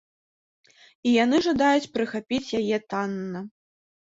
І яны жадаюць прыхапіць яе танна.